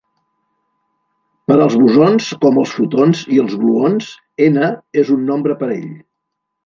Per als bosons, com els fotons i els gluons, "n" és un nombre parell.